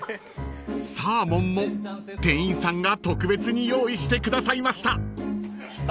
［サーモンも店員さんが特別に用意してくださいました］